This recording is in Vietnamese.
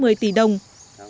một số tiền không nhỏ